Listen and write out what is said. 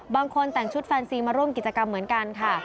บางคนแต่งชุดแฟนซีมาร่วมกิจกรรมเหมือนกันค่ะ